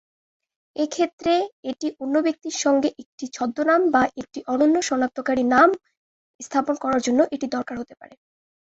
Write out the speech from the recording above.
এ ক্ষেত্রে, এটি অন্য ব্যক্তির সঙ্গে, একটি ছদ্মনাম বা একটি অনন্য শনাক্তকারী নাম স্থাপন করার জন্য এটি দরকারী হতে পারে।